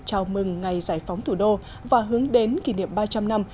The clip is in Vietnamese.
bịi tư kiện chào mừng ngày giải phóng thủ đô và hướng đến kỷ niệm ba trăm linh năm